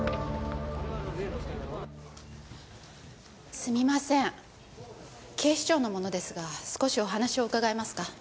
すみません警視庁の者ですが少しお話を伺えますか？